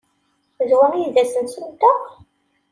D wa ay d asensu-nteɣ?